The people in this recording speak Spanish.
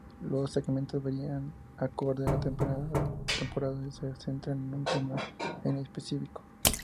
Los segmentos varian acorde la temporada y se centran en un tema en específico.